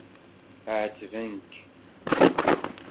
Ɛettben-k.